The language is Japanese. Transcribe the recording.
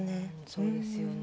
そうですよね。